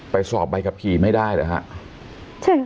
ไปสอบใบกับขี่ไม่ได้หรือฮะใช่ค่ะ